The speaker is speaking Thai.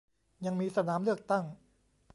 ยังมีสนามเลือกตั้ง